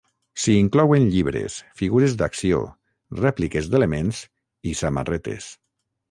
S'hi inclouen llibres, figures d'acció, rèpliques d'elements i samarretes.